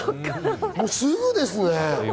もうすぐですね。